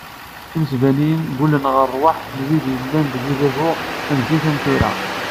Imesbaniyen, ggulen ɣef ṛṛwaḥ n wid i yellan deg udabu ama zik ama tura.